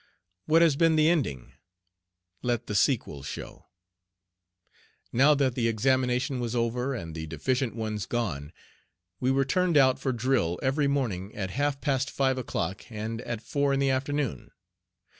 What has been the ending? Let the sequel show. Now that the examination was over and the deficient ones gone, we were turned out for drill every morning at half past five o'clock and at four in the afternoon.